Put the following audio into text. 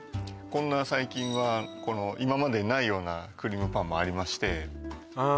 こんな最近は今までにないようなクリームパンもありましてああ